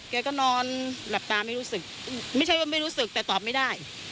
แกก็นอนหลับตาไม่รู้สึกไม่ใช่ว่าไม่รู้สึกแต่ตอบไม่ได้